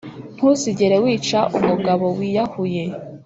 ntuzigere wica umugabo wiyahuye